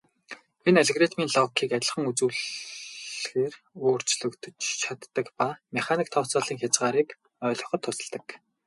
Энэ нь алгоритмын логикийг адилхан үзүүлэхээр өөрчлөгдөж чаддаг ба механик тооцооллын хязгаарыг ойлгоход тусалдаг.